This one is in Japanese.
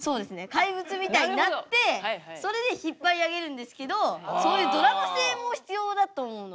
怪物みたいになってそれで引っ張り上げるんですけどそういうドラマ性も必要だと思うので。